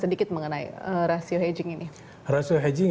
dengan rasio yang kami wajibkan